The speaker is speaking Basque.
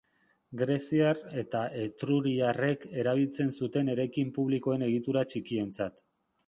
Greziar eta etruriarrek erabiltzen zuten eraikin publikoen egitura txikientzat.